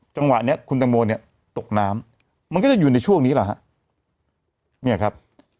จังหวะนี้คุณตังโมเนี่ยตกน้ำมันก็จะอยู่ในช่วงนี้แหละฮะเนี่ยครับ